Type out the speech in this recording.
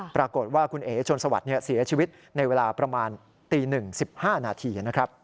ปรากฏว่าคุณเอ๋ชนสวัสดิ์เสียชีวิตในเวลาประมาณตี๑๑๕นาทีนะครับ